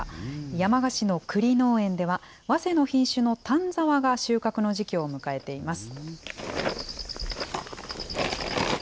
山鹿市のくり農園では、わせの品種の丹沢が収穫の時期を迎えています。